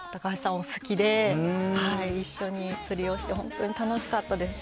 お好きで、一緒に釣りをして、本当に楽しかったです。